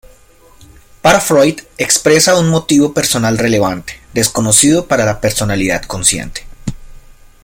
Para Freud, expresa un motivo personal relevante, desconocido para la personalidad consciente.